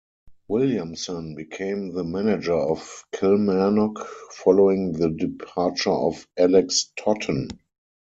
Williamson became the manager of Kilmarnock following the departure of Alex Totten.